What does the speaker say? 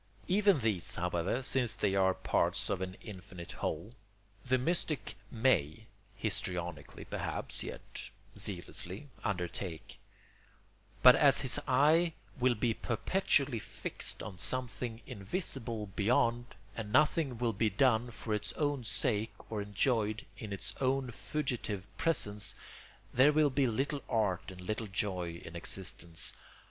Even these, however, since they are parts of an infinite whole, the mystic may (histrionically, perhaps, yet zealously) undertake; but as his eye will be perpetually fixed on something invisible beyond, and nothing will be done for its own sake or enjoyed in its own fugitive presence, there will be little art and little joy in existence.